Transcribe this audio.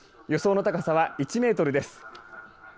予想の高さは１メートルです。